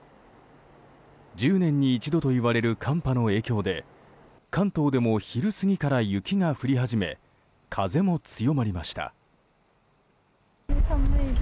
１０年に一度といわれる寒波の影響で関東でも昼過ぎから雪が降り始め風も強まりました。